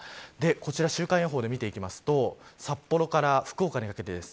こちら週間予報で見ていきますと札幌から福岡にかけてです。